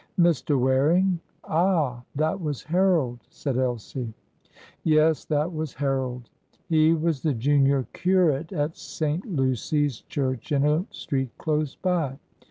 "Mr. Waring? Ah, that was Harold," said Elsie. "Yes, that was Harold. He was the junior curate at St. Lucy's Church in a street close by.